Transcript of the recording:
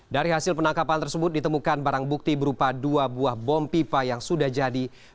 dari hasil penangkapan tersebut ditemukan barang bukti berupa dua buah bom pipa yang sudah jadi